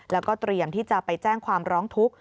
แล้วก็เตรียมที่จะไปแจ้งความร้องทุกข์